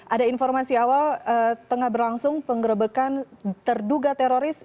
ada informasi awal tengah berlangsung penggerbekan terduga teroris